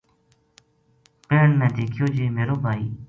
بہن نے دیکھیو جی میرو بھائی